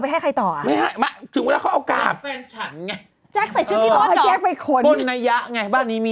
ให้น้องกัเป็นน้องไปเถอะว่าอะไรรู้ไหม